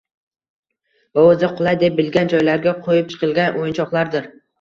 va o‘zi qulay deb bilgan joylarga qo‘yib chiqilgan o‘yinchoqlardir.